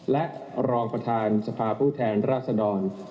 และรองประธานสภาผู้แทนราษดร